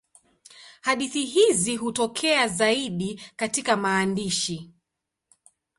Hadithi hizi hutokea zaidi katika maandishi.